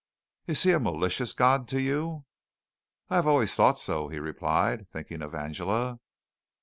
"Is He a malicious God to you?" "I have always thought so," he replied, thinking of Angela.